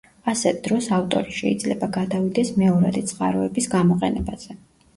ასეთ დროს ავტორი შეიძლება გადავიდეს მეორადი წყაროების გამოყენებაზე.